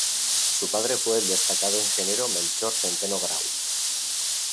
Su padre fue el destacado ingeniero Melchor Centeno Grau.